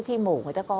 khi mổ người ta có